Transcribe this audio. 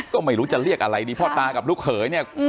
ก็ไม่รู้จะเรียกอะไรดีพ่อตากับลูกเขยเนี่ย